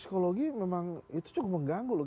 psikologi memang itu cukup mengganggu loh